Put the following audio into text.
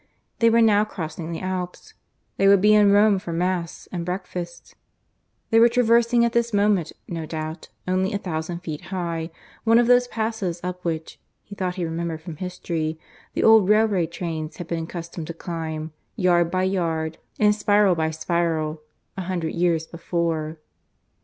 They were now crossing the Alps. They would be in Rome for Mass and breakfast. ... They were traversing at this moment, no doubt, only a thousand feet high, one of those passes up which (he thought he remembered from history) the old railway trains had been accustomed to climb, yard by yard and spiral by spiral, a hundred years before